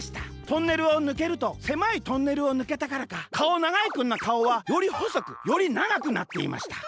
トンネルをぬけるとせまいトンネルをぬけたからかかおながいくんのかおはよりほそくよりながくなっていました。